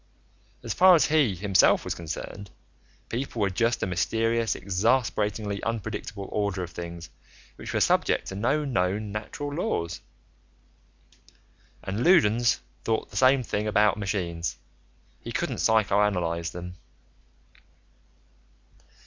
As far as he, himself, was concerned, people were just a mysterious, exasperatingly unpredictable order of things which were subject to no known natural laws. And Loudons thought the same thing about machines: he couldn't psychoanalyze them.